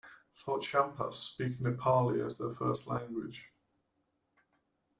Lhotshampas speak Nepali as their first language.